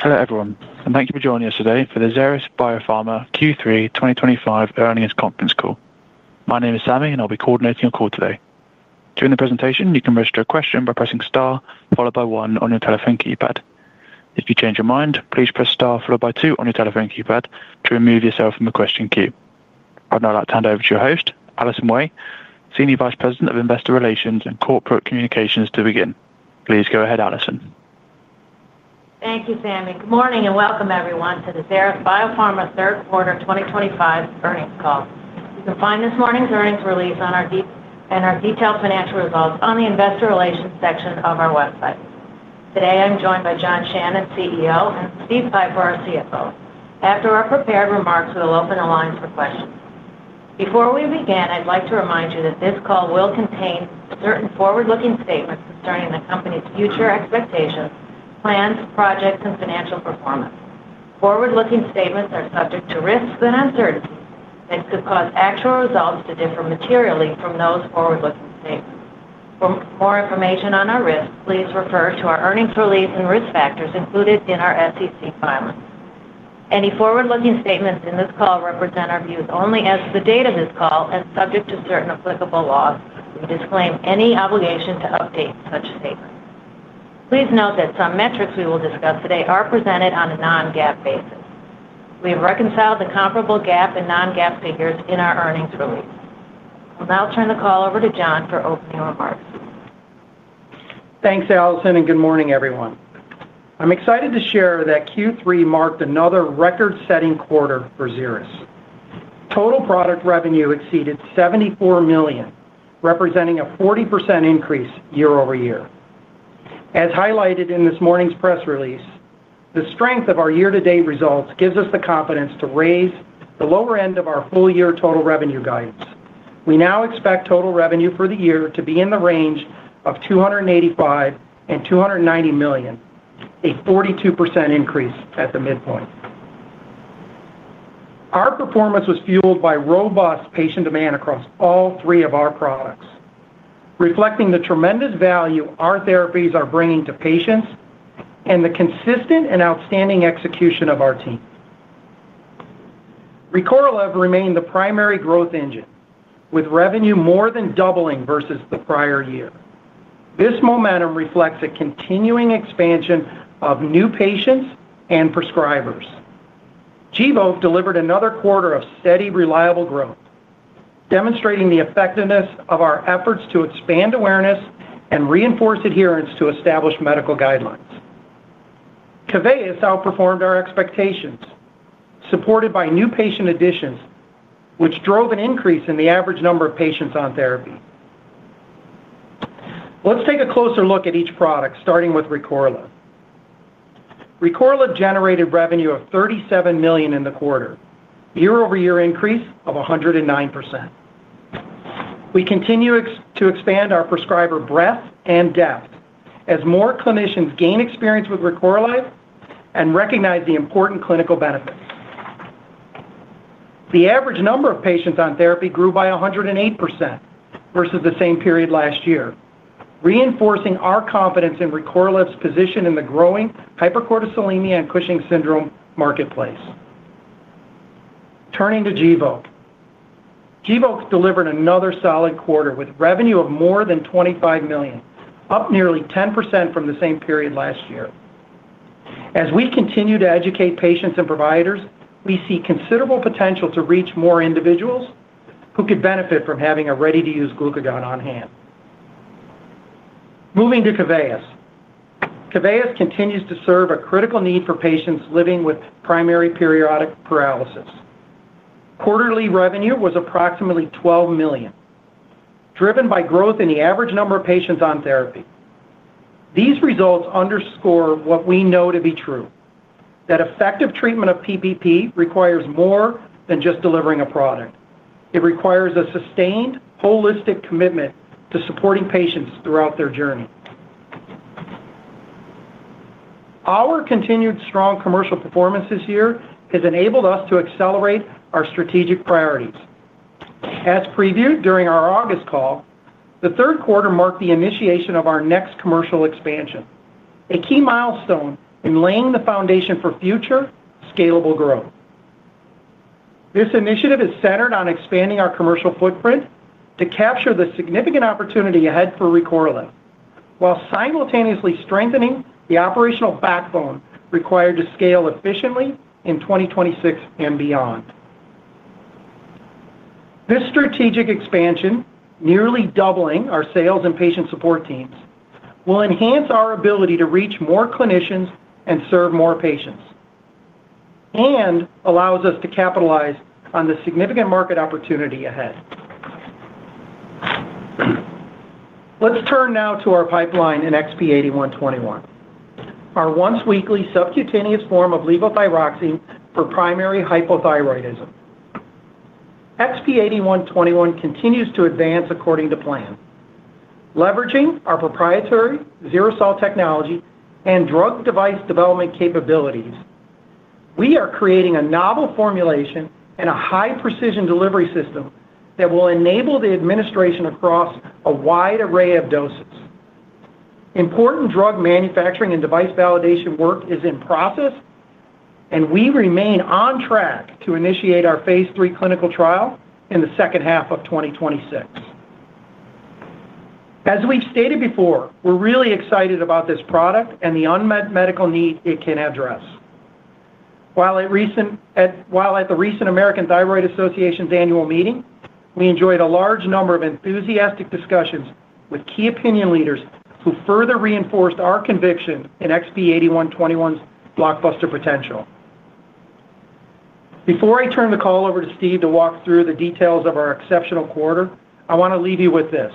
Hello everyone, and thank you for joining us today for the Xeris Biopharma Q3 2025 earnings conference call. My name is Sammy, and I'll be coordinating your call today. During the presentation, you can register a question by pressing star followed by one on your telephone keypad. If you change your mind, please press star followed by two on your telephone keypad to remove yourself from the question queue. I'd now like to hand over to your host, Allison Wey, Senior Vice President of Investor Relations and Corporate Communications, to begin. Please go ahead, Allison. Thank you, Sammy. Good morning and welcome everyone to the Xeris Biopharma third quarter 2025 earnings call. You can find this morning's earnings release and our detailed financial results on the investor relations section of our website. Today, I'm joined by John Shannon, CEO, and Steve Pieper, our CFO. After our prepared remarks, we'll open the lines for questions. Before we begin, I'd like to remind you that this call will contain certain forward-looking statements concerning the company's future expectations, plans, projects, and financial performance. Forward-looking statements are subject to risks and uncertainties, and could cause actual results to differ materially from those forward-looking statements. For more information on our risks, please refer to our earnings release and risk factors included in our SEC filing. Any forward-looking statements in this call represent our views only as to the date of this call and subject to certain applicable laws. We disclaim any obligation to update such statements. Please note that some metrics we will discuss today are presented on a non-GAAP basis. We have reconciled the comparable GAAP and non-GAAP figures in our earnings release. I'll now turn the call over to John for opening remarks. Thanks, Allison, and good morning, everyone. I'm excited to share that Q3 marked another record-setting quarter for Xeris. Total product revenue exceeded $74 million, representing a 40% increase year-over-year. As highlighted in this morning's press release, the strength of our year-to-date results gives us the confidence to raise the lower end of our full-year total revenue guidance. We now expect total revenue for the year to be in the range of $285 million and $290 million, a 42% increase at the midpoint. Our performance was fueled by robust patient demand across all three of our products, reflecting the tremendous value our therapies are bringing to patients and the consistent and outstanding execution of our team. Recorlev remained the primary growth engine, with revenue more than doubling versus the prior year. This momentum reflects a continuing expansion of new patients and prescribers. Gvoke delivered another quarter of steady, reliable growth. Demonstrating the effectiveness of our efforts to expand awareness and reinforce adherence to established medical guidelines. Keveyis outperformed our expectations, supported by new patient additions, which drove an increase in the average number of patients on therapy. Let's take a closer look at each product, starting with Recorlev. Recorlev generated revenue of $37 million in the quarter, a year-over-year increase of 109%. We continue to expand our prescriber breadth and depth as more clinicians gain experience with Recorlev and recognize the important clinical benefits. The average number of patients on therapy grew by 108% versus the same period last year, reinforcing our confidence in Recorlev's position in the growing hypercortisolemia and Cushing's syndrome marketplace. Turning to Gvoke. Gvoke delivered another solid quarter with revenue of more than $25 million, up nearly 10% from the same period last year. As we continue to educate patients and providers, we see considerable potential to reach more individuals who could benefit from having a ready-to-use glucagon on hand. Moving to Keveyis. Keveyis continues to serve a critical need for patients living with primary periodic paralysis. Quarterly revenue was approximately $12 million, driven by growth in the average number of patients on therapy. These results underscore what we know to be true: that effective treatment of PPP requires more than just delivering a product. It requires a sustained, holistic commitment to supporting patients throughout their journey. Our continued strong commercial performance this year has enabled us to accelerate our strategic priorities. As previewed during our August call, the third quarter marked the initiation of our next commercial expansion, a key milestone in laying the foundation for future scalable growth. This initiative is centered on expanding our commercial footprint to capture the significant opportunity ahead for Recorlev, while simultaneously strengthening the operational backbone required to scale efficiently in 2026 and beyond. This strategic expansion, nearly doubling our sales and patient support teams, will enhance our ability to reach more clinicians and serve more patients. It allows us to capitalize on the significant market opportunity ahead. Let's turn now to our pipeline in XP-8121, our once-weekly subcutaneous form of levothyroxine for primary hypothyroidism. XP-8121 continues to advance according to plan. Leveraging our proprietary zero-salt technology and drug device development capabilities, we are creating a novel formulation and a high-precision delivery system that will enable the administration across a wide array of doses. Important drug manufacturing and device validation work is in process. We remain on track to initiate our phase III clinical trial in the second half of 2026. As we've stated before, we're really excited about this product and the unmet medical need it can address. While at the recent American Thyroid Association's annual meeting, we enjoyed a large number of enthusiastic discussions with key opinion leaders who further reinforced our conviction in XP-8121's blockbuster potential. Before I turn the call over to Steve to walk through the details of our exceptional quarter, I want to leave you with this.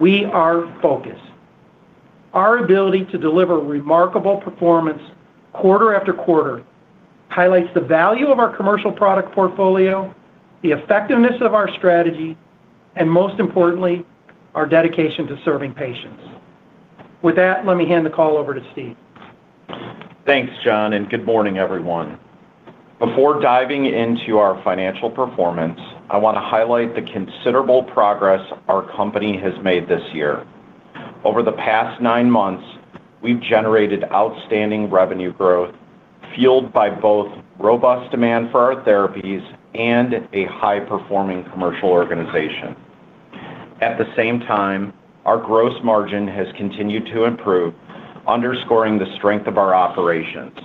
We are focused. Our ability to deliver remarkable performance quarter after quarter highlights the value of our commercial product portfolio, the effectiveness of our strategy, and most importantly, our dedication to serving patients. With that, let me hand the call over to Steve. Thanks, John, and good morning, everyone. Before diving into our financial performance, I want to highlight the considerable progress our company has made this year. Over the past nine months, we've generated outstanding revenue growth fueled by both robust demand for our therapies and a high-performing commercial organization. At the same time, our gross margin has continued to improve, underscoring the strength of our operations.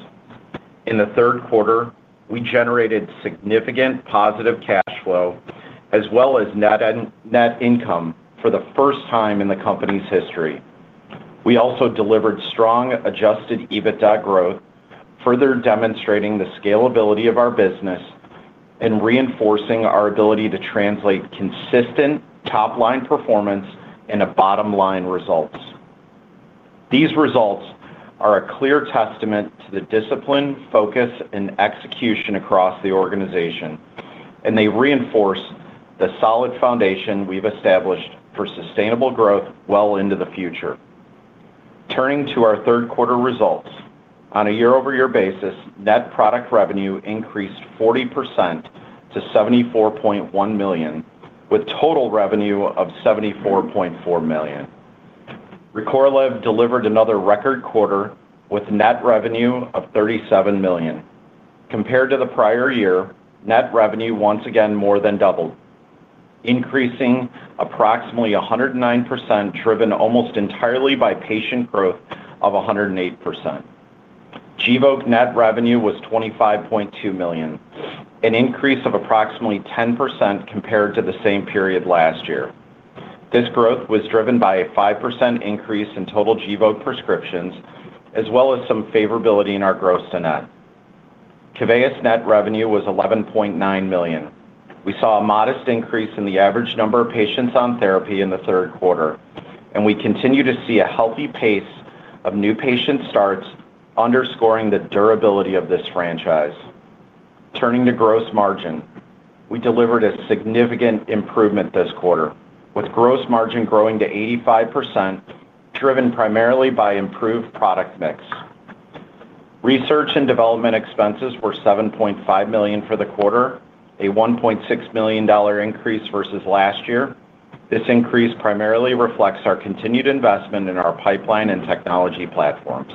In the third quarter, we generated significant positive cash flow as well as net income for the first time in the company's history. We also delivered strong adjusted EBITDA growth, further demonstrating the scalability of our business. Reinforcing our ability to translate consistent top-line performance into bottom-line results. These results are a clear testament to the discipline, focus, and execution across the organization, and they reinforce the solid foundation we've established for sustainable growth well into the future. Turning to our third-quarter results, on a year-over-year basis, net product revenue increased 40% to $74.1 million, with total revenue of $74.4 million. Recorlev delivered another record quarter with net revenue of $37 million. Compared to the prior year, net revenue once again more than doubled, increasing approximately 109%, driven almost entirely by patient growth of 108%. Gvoke's net revenue was $25.2 million, an increase of approximately 10% compared to the same period last year. This growth was driven by a 5% increase in total Gvoke prescriptions, as well as some favorability in our gross to net. Keveyis' net revenue was $11.9 million. We saw a modest increase in the average number of patients on therapy in the third quarter, and we continue to see a healthy pace of new patient starts, underscoring the durability of this franchise. Turning to gross margin, we delivered a significant improvement this quarter, with gross margin growing to 85%. Driven primarily by improved product mix. Research and development expenses were $7.5 million for the quarter, a $1.6 million increase versus last year. This increase primarily reflects our continued investment in our pipeline and technology platforms.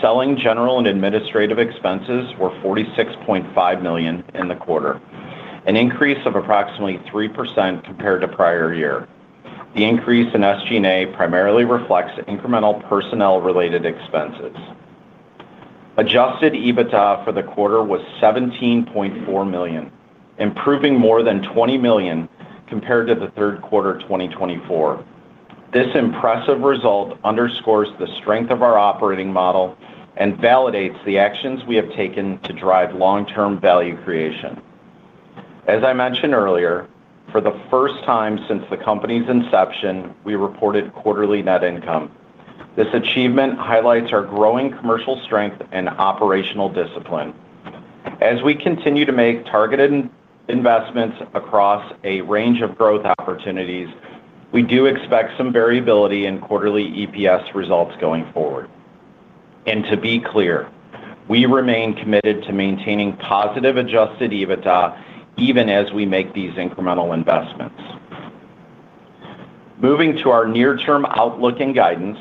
Selling, general and administrative expenses were $46.5 million in the quarter, an increase of approximately 3% compared to prior year. The increase in SG&A primarily reflects incremental personnel-related expenses. Adjusted EBITDA for the quarter was $17.4 million, improving more than $20 million compared to the third quarter 2024. This impressive result underscores the strength of our operating model and validates the actions we have taken to drive long-term value creation. As I mentioned earlier, for the first time since the company's inception, we reported quarterly net income. This achievement highlights our growing commercial strength and operational discipline. As we continue to make targeted investments across a range of growth opportunities, we do expect some variability in quarterly EPS results going forward. To be clear, we remain committed to maintaining positive adjusted EBITDA even as we make these incremental investments. Moving to our near-term outlook and guidance,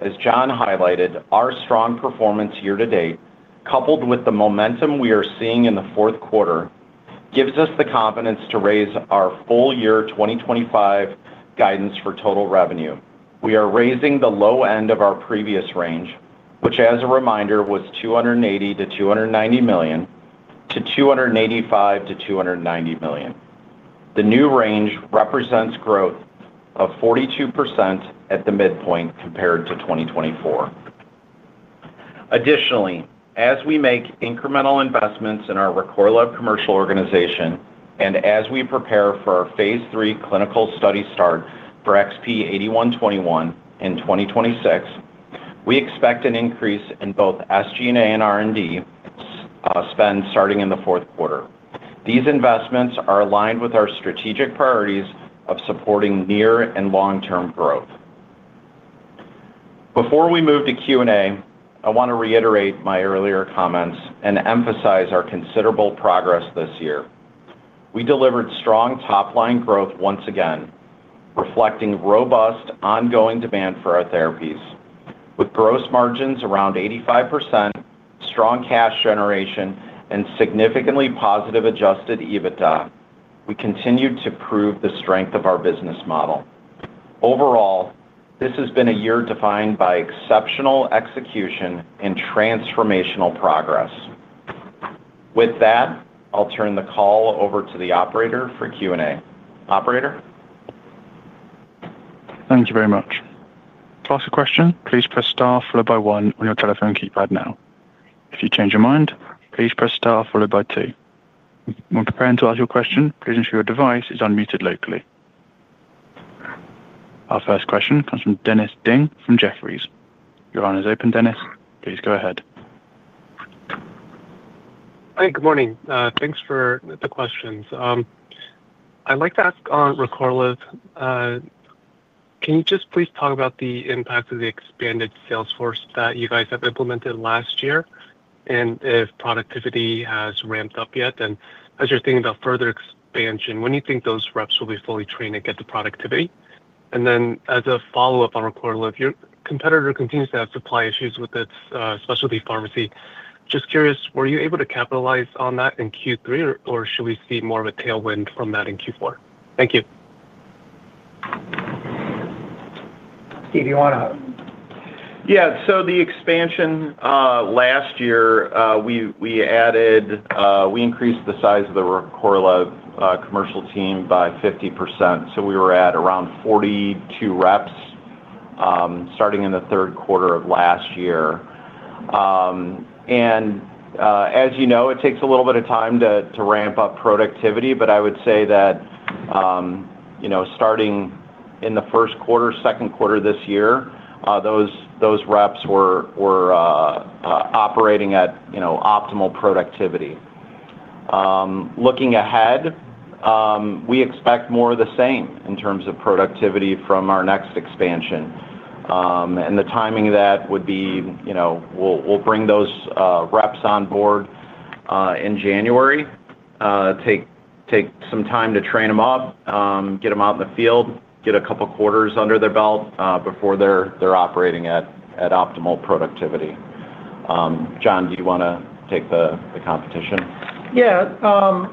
as John highlighted, our strong performance year to date, coupled with the momentum we are seeing in the fourth quarter, gives us the confidence to raise our full-year 2025 guidance for total revenue. We are raising the low end of our previous range, which, as a reminder, was $280 million-$290 million to $285 million-$290 million. The new range represents growth of 42% at the midpoint compared to 2024. Additionally, as we make incremental investments in our Recorlev commercial organization and as we prepare for our phase III clinical study start for XP-8121 in 2026, we expect an increase in both SG&A and R&D spend starting in the fourth quarter. These investments are aligned with our strategic priorities of supporting near and long-term growth. Before we move to Q&A, I want to reiterate my earlier comments and emphasize our considerable progress this year. We delivered strong top-line growth once again, reflecting robust ongoing demand for our therapies. With gross margins around 85%, strong cash generation, and significantly positive adjusted EBITDA, we continue to prove the strength of our business model. Overall, this has been a year defined by exceptional execution and transformational progress. With that, I'll turn the call over to the operator for Q&A. Operator. Thank you very much. To ask a question, please press star followed by one on your telephone keypad now. If you change your mind, please press star followed by two. When preparing to ask your question, please ensure your device is unmuted locally. Our first question comes from Dennis Ding from Jefferies. Your line is open, Dennis. Please go ahead. Hi. Good morning. Thanks for the questions. I'd like to ask on Recorlev. Can you just please talk about the impact of the expanded sales force that you guys have implemented last year and if productivity has ramped up yet? As you're thinking about further expansion, when do you think those reps will be fully trained to get the productivity? As a follow-up on Recorlev, your competitor continues to have supply issues with its specialty pharmacy. Just curious, were you able to capitalize on that in Q3, or should we see more of a tailwind from that in Q4? Thank you. Steve, you want to? Yeah. So the expansion. Last year, we increased the size of the Recorlev commercial team by 50%. So we were at around 42 reps starting in the third quarter of last year. And as you know, it takes a little bit of time to ramp up productivity, but I would say that starting in the first quarter, second quarter this year, those reps were operating at optimal productivity. Looking ahead, we expect more of the same in terms of productivity from our next expansion. And the timing of that would be, we'll bring those reps on board in January. Take some time to train them up, get them out in the field, get a couple of quarters under their belt before they're operating at optimal productivity. John, do you want to take the competition? Yeah.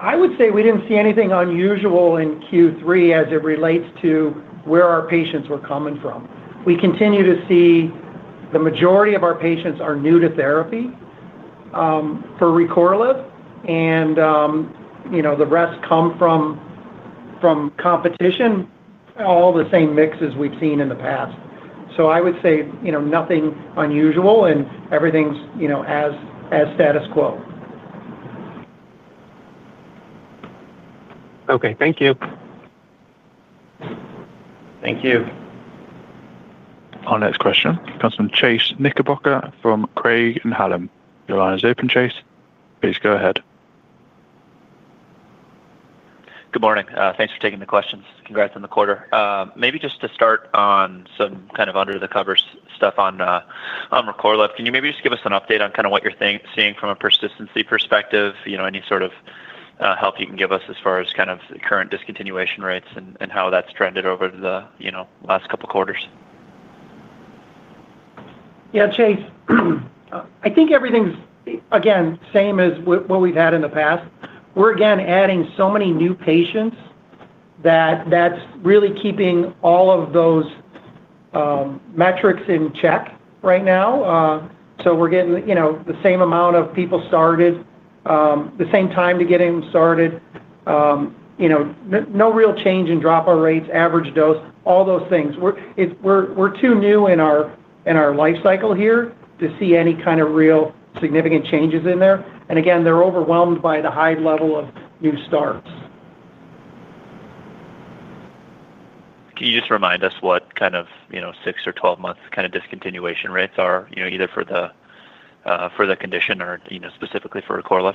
I would say we did not see anything unusual in Q3 as it relates to where our patients were coming from. We continue to see the majority of our patients are new to therapy. For Recorlev, and the rest come from competition. All the same mixes we have seen in the past. I would say nothing unusual, and everything is as status quo. Okay. Thank you. Thank you. Our next question comes from Chase Knickerbocker from Craig-Hallum. Your line is open, Chase. Please go ahead. Good morning. Thanks for taking the questions. Congrats on the quarter. Maybe just to start on some kind of under-the-covers stuff on Recorlev, can you maybe just give us an update on kind of what you're seeing from a persistency perspective? Any sort of help you can give us as far as kind of the current discontinuation rates and how that's trended over the last couple of quarters? Yeah, Chase. I think everything's, again, same as what we've had in the past. We're, again, adding so many new patients that that's really keeping all of those metrics in check right now. We're getting the same amount of people started, the same time to get them started. No real change in dropout rates, average dose, all those things. We're too new in our life cycle here to see any kind of real significant changes in there. Again, they're overwhelmed by the high level of new starts. Can you just remind us what kind of 6- or 12-month kind of discontinuation rates are, either for the condition or specifically for Recorlev?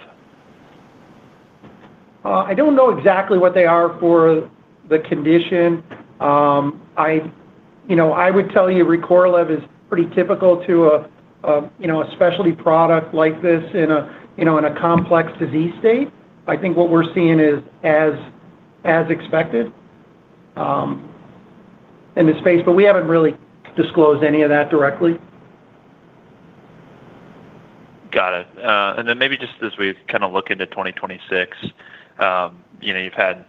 I don't know exactly what they are for the condition. I would tell you Recorlev is pretty typical too. A specialty product like this in a complex disease state. I think what we're seeing is as expected in this space, but we haven't really disclosed any of that directly. Got it. Maybe just as we kind of look into 2026. You've had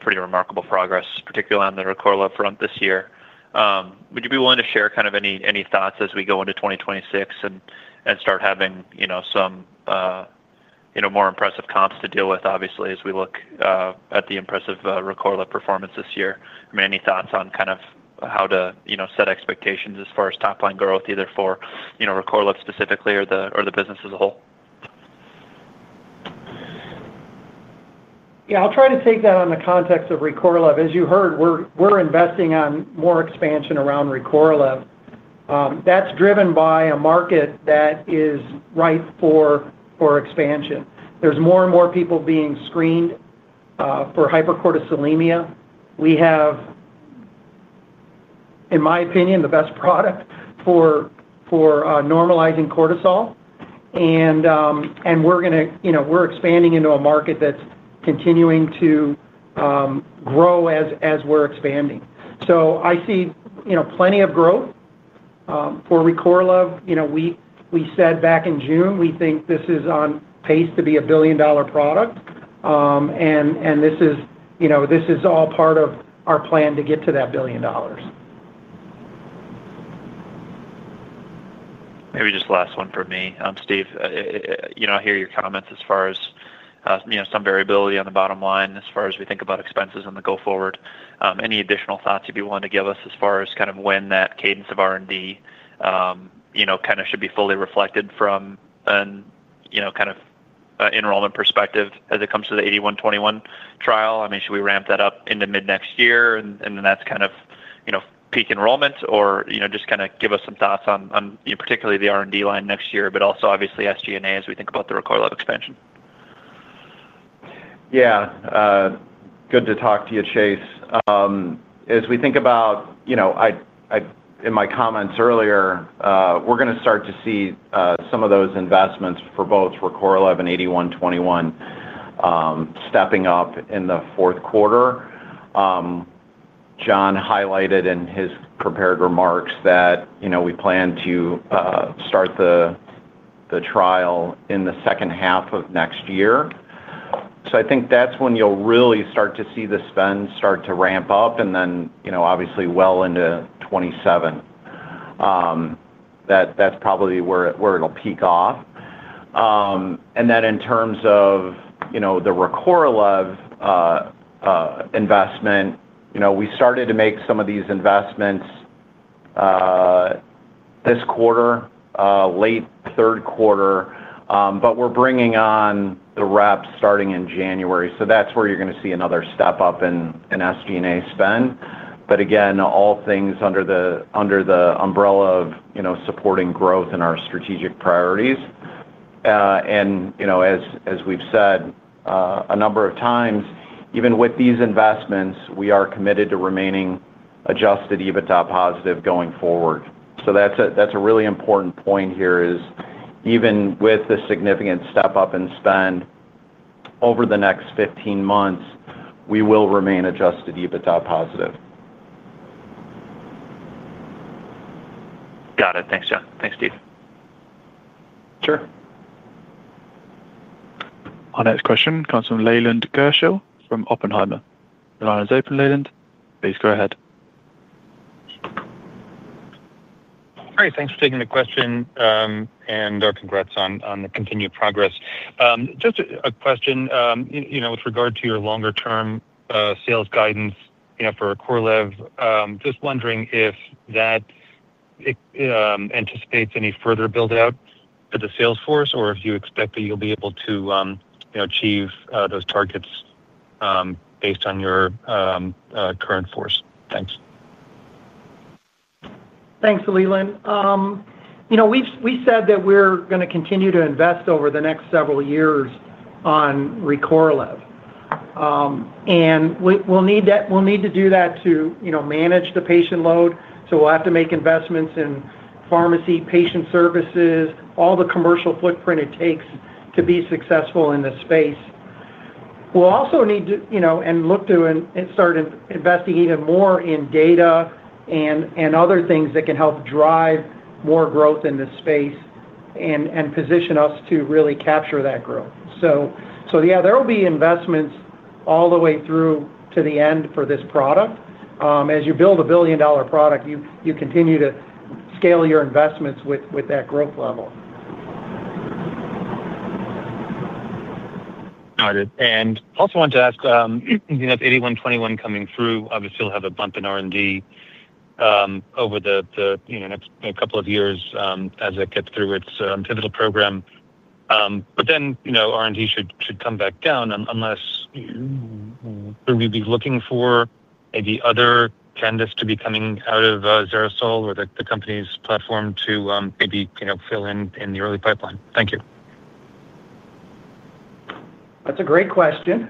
pretty remarkable progress, particularly on the Recorlev front this year. Would you be willing to share kind of any thoughts as we go into 2026 and start having some more impressive comps to deal with, obviously, as we look at the impressive Recorlev performance this year? I mean, any thoughts on kind of how to set expectations as far as top-line growth, either for Recorlev specifically or the business as a whole? Yeah. I'll try to take that on the context of Recorlev. As you heard, we're investing on more expansion around Recorlev. That's driven by a market that is ripe for expansion. There's more and more people being screened for hypercortisolemia. We have, in my opinion, the best product for normalizing cortisol. And we're expanding into a market that's continuing to grow as we're expanding. I see plenty of growth for Recorlev. We said back in June, we think this is on pace to be a billion-dollar product. This is all part of our plan to get to that billion dollars. Maybe just last one for me. Steve, I hear your comments as far as some variability on the bottom line as far as we think about expenses in the go-forward. Any additional thoughts you'd be willing to give us as far as kind of when that cadence of R&D kind of should be fully reflected from a kind of enrollment perspective as it comes to the 8121 trial? I mean, should we ramp that up into mid-next year? And then that's kind of peak enrollment, or just kind of give us some thoughts on particularly the R&D line next year, but also, obviously, SG&A as we think about the Recorlev expansion? Yeah. Good to talk to you, Chase. As we think about, in my comments earlier, we're going to start to see some of those investments for both Recorlev and 8121 stepping up in the fourth quarter. John highlighted in his prepared remarks that we plan to start the trial in the second half of next year. I think that's when you'll really start to see the spend start to ramp up, and then, obviously, well into 2027. That's probably where it'll peak off. In terms of the Recorlev investment, we started to make some of these investments this quarter, late third quarter, but we're bringing on the reps starting in January. That's where you're going to see another step up in SG&A spend. Again, all things under the umbrella of supporting growth in our strategic priorities. As we've said. A number of times, even with these investments, we are committed to remaining adjusted EBITDA positive going forward. That is a really important point here, even with the significant step up in spend. Over the next 15 months, we will remain adjusted EBITDA positive. Got it. Thanks, John. Thanks, Steve. Sure. Our next question comes from Leland Gershell from Oppenheimer. Your line is open, Leyland. Please go ahead. All right. Thanks for taking the question. Our congrats on the continued progress. Just a question with regard to your longer-term sales guidance for Recorlev. Just wondering if that anticipates any further build-out to the sales force or if you expect that you'll be able to achieve those targets based on your current force. Thanks. Thanks, Leland. We said that we're going to continue to invest over the next several years on Recorlev. We'll need to do that to manage the patient load. We'll have to make investments in pharmacy, patient services, all the commercial footprint it takes to be successful in this space. We'll also need to and look to start investing even more in data and other things that can help drive more growth in this space. Position us to really capture that growth. Yeah, there will be investments all the way through to the end for this product. As you build a billion-dollar product, you continue to scale your investments with that growth level. Got it. I also wanted to ask, with 8121 coming through, obviously, you'll have a bump in R&D over the next couple of years as it gets through its pivotal program. Then R&D should come back down unless we'd be looking for maybe other candidates to be coming out of XeriSol or the company's platform to maybe fill in in the early pipeline. Thank you. That's a great question.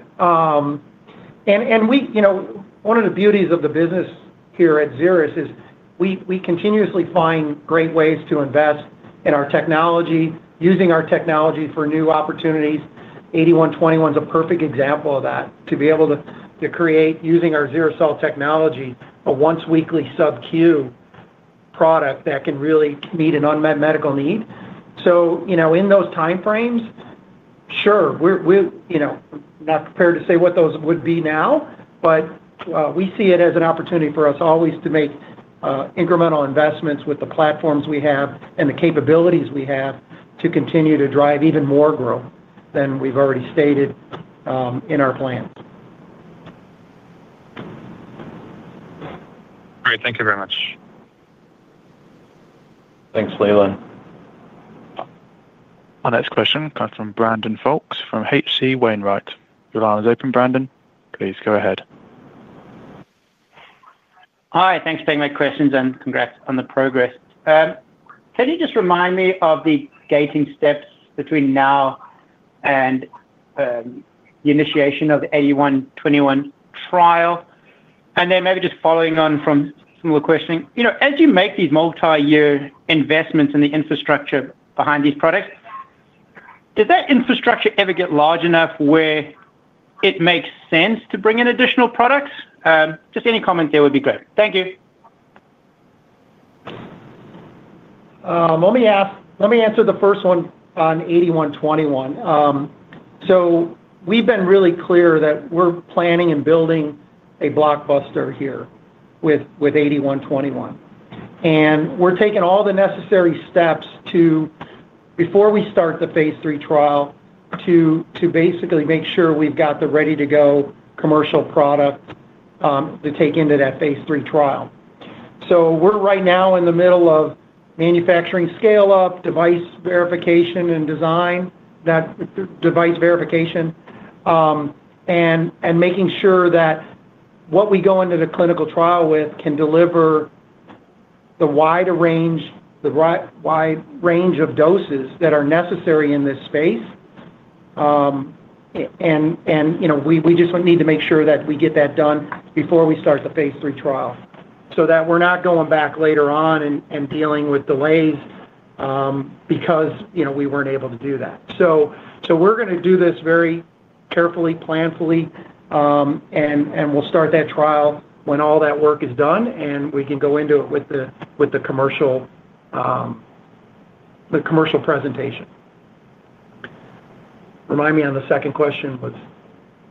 One of the beauties of the business here at Xeris is we continuously find great ways to invest in our technology, using our technology for new opportunities. 8121 is a perfect example of that, to be able to create, using our XeriSol technology, a once-weekly sub-Q product that can really meet an unmet medical need. In those time frames, sure, we're not prepared to say what those would be now, but we see it as an opportunity for us always to make incremental investments with the platforms we have and the capabilities we have to continue to drive even more growth than we've already stated in our plans. All right. Thank you very much. Thanks, Leland. Our next question comes from Brandon Folkes from H.C. Wainwright. Your line is open, Brandon. Please go ahead. Hi. Thanks for taking my questions and congrats on the progress. Can you just remind me of the gating steps between now and the initiation of the 8121 trial? Then maybe just following on from some of the questioning, as you make these multi-year investments in the infrastructure behind these products, does that infrastructure ever get large enough where it makes sense to bring in additional products? Just any comment there would be great. Thank you. Let me answer the first one on 8121. We've been really clear that we're planning and building a blockbuster here with 8121. We're taking all the necessary steps before we start the phase III trial to basically make sure we've got the ready-to-go commercial product to take into that phase III trial. We're right now in the middle of manufacturing scale-up, device verification, and design. Device verification and making sure that what we go into the clinical trial with can deliver the wide range of doses that are necessary in this space. We just need to make sure that we get that done before we start the phase III trial so that we're not going back later on and dealing with delays because we weren't able to do that. We're going to do this very carefully, planfully. We will start that trial when all that work is done, and we can go into it with the commercial presentation. Remind me what the second question was.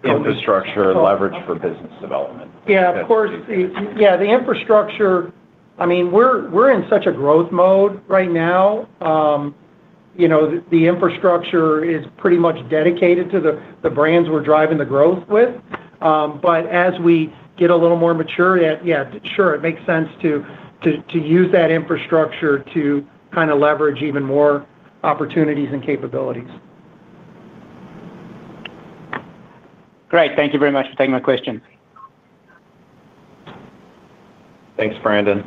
Infrastructure leverage for business development. Yeah, of course. Yeah, the infrastructure, I mean, we're in such a growth mode right now. The infrastructure is pretty much dedicated to the brands we're driving the growth with. As we get a little more mature, yeah, sure, it makes sense to use that infrastructure to kind of leverage even more opportunities and capabilities. Great. Thank you very much for taking my question. Thanks, Brandon.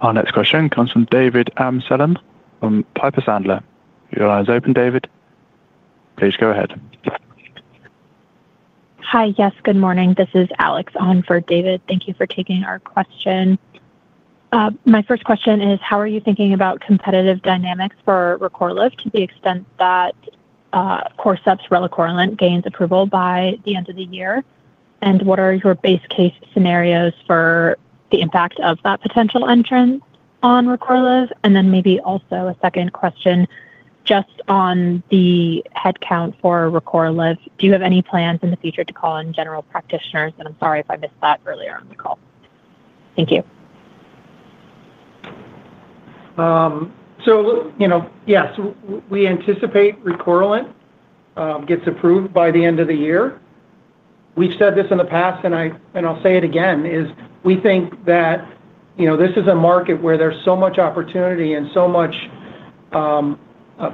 Our next question comes from David Amsellem from Piper Sandler. Your line is open, David. Please go ahead. Hi, yes, good morning. This is Alex on for David. Thank you for taking our question. My first question is, how are you thinking about competitive dynamics for Recorlev to the extent that Corcept's Relacorilant gains approval by the end of the year? What are your base case scenarios for the impact of that potential entrance on Recorlev? Maybe also a second question just on the headcount for Recorlev. Do you have any plans in the future to call in general practitioners? I'm sorry if I missed that earlier on the call. Thank you. Yes, we anticipate Recorlev gets approved by the end of the year. We've said this in the past, and I'll say it again, is we think that this is a market where there's so much opportunity and so much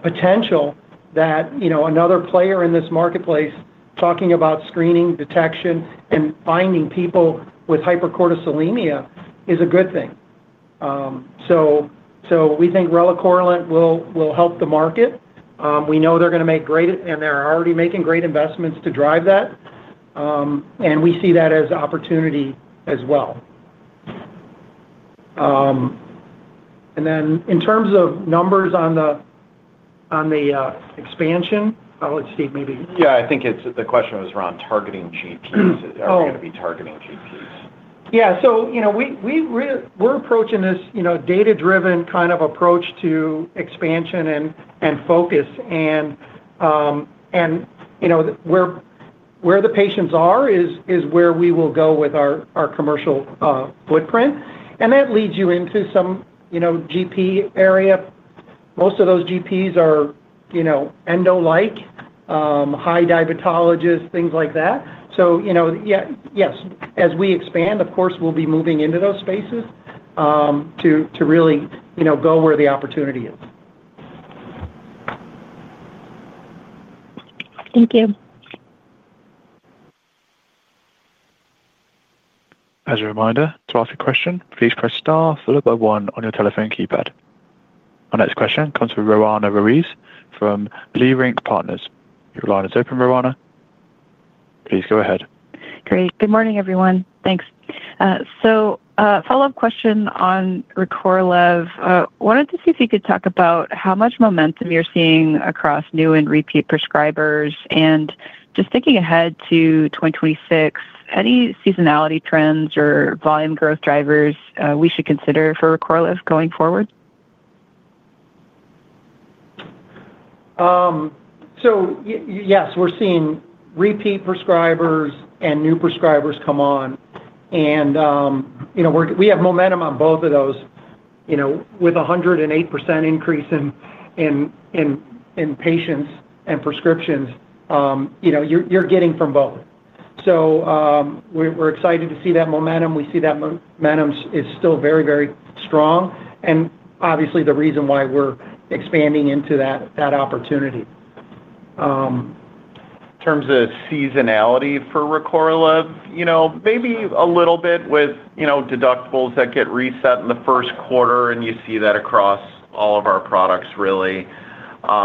potential that another player in this marketplace talking about screening, detection, and finding people with hypercortisolemia is a good thing. We think Relacorilant will help the market. We know they're going to make great, and they're already making great investments to drive that. We see that as opportunity as well. In terms of numbers on the expansion, how would Steve maybe? Yeah, I think the question was around targeting GPs. Are we going to be targeting GPs? Yeah. We're approaching this data-driven kind of approach to expansion and focus. Where the patients are is where we will go with our commercial footprint. That leads you into some GP area. Most of those GPs are endo-like, high diabetologists, things like that. Yes, as we expand, of course, we'll be moving into those spaces to really go where the opportunity is. Thank you. As a reminder, to ask a question, please press star followed by one on your telephone keypad. Our next question comes from Roanna Ruiz from Leerink Partners. Your line is open, Roanna. Please go ahead. Great. Good morning, everyone. Thanks. Follow-up question on Recorlev. Wanted to see if you could talk about how much momentum you're seeing across new and repeat prescribers. Just thinking ahead to 2026, any seasonality trends or volume growth drivers we should consider for Recorlev going forward? Yes, we're seeing repeat prescribers and new prescribers come on. We have momentum on both of those. With a 108% increase in patients and prescriptions, you're getting from both. We're excited to see that momentum. We see that momentum is still very, very strong. Obviously, the reason why we're expanding into that opportunity. In terms of seasonality for Recorlev, maybe a little bit with deductibles that get reset in the first quarter, and you see that across all of our products, really. I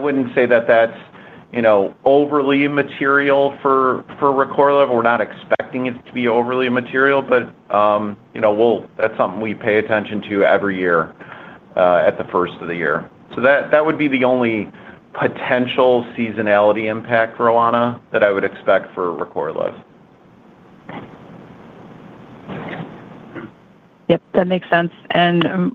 would not say that that is overly material for Recorlev. We are not expecting it to be overly material. That is something we pay attention to every year at the first of the year. That would be the only potential seasonality impact, Rowana, that I would expect for Recorlev. Yep, that makes sense.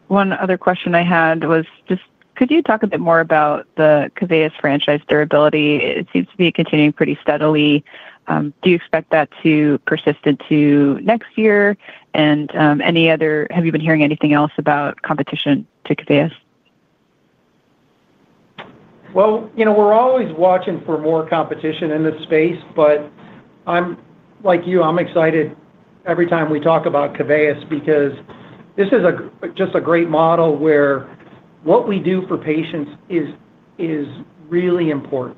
One other question I had was just, could you talk a bit more about the Keveyis franchise durability? It seems to be continuing pretty steadily. Do you expect that to persist into next year? Have you been hearing anything else about competition to Keveyis? We're always watching for more competition in this space. Like you, I'm excited every time we talk about Keveyis because this is just a great model where what we do for patients is really important.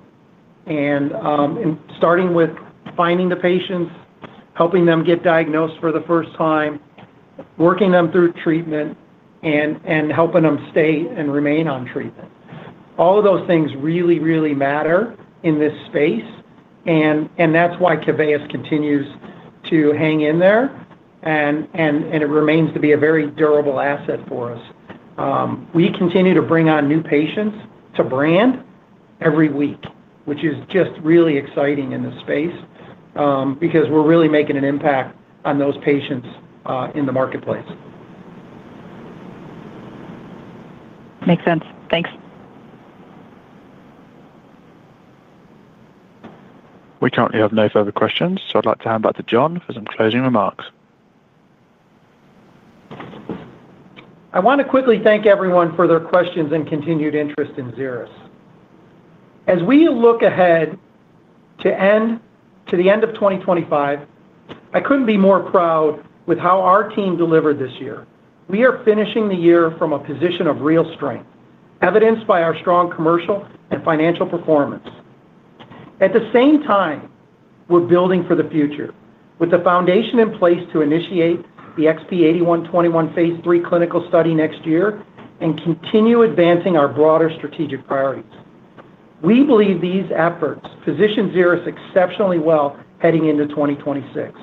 Starting with finding the patients, helping them get diagnosed for the first time, working them through treatment, and helping them stay and remain on treatment. All of those things really, really matter in this space. That's why Keveyis continues to hang in there. It remains to be a very durable asset for us. We continue to bring on new patients to brand every week, which is just really exciting in this space because we're really making an impact on those patients in the marketplace. Makes sense. Thanks. We currently have no further questions, so I'd like to hand back to John for some closing remarks. I want to quickly thank everyone for their questions and continued interest in Xeris. As we look ahead to the end of 2025, I could not be more proud with how our team delivered this year. We are finishing the year from a position of real strength, evidenced by our strong commercial and financial performance. At the same time, we are building for the future with the foundation in place to initiate the XP-8121 phase III clinical study next year and continue advancing our broader strategic priorities. We believe these efforts position Xeris exceptionally well heading into 2026,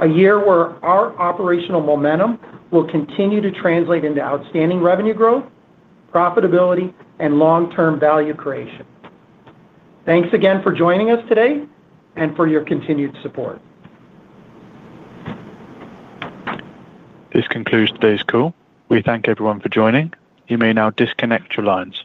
a year where our operational momentum will continue to translate into outstanding revenue growth, profitability, and long-term value creation. Thanks again for joining us today and for your continued support. This concludes today's call. We thank everyone for joining. You may now disconnect your lines.